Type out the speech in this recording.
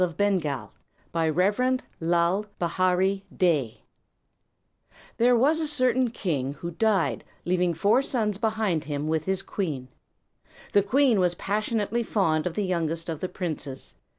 IX THE ORIGIN OF RUBIES There was a certain king who died leaving four sons behind him with his queen. The queen was passionately fond of the youngest of the princes.